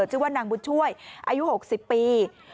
ชื่อว่านางบุญช่วยอายุ๖๐ปี